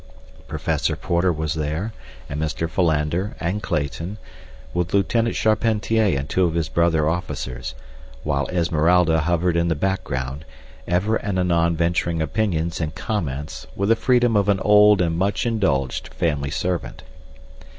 Professor Porter was there, and Mr. Philander and Clayton, with Lieutenant Charpentier and two of his brother officers, while Esmeralda hovered in the background, ever and anon venturing opinions and comments with the freedom of an old and much indulged family servant.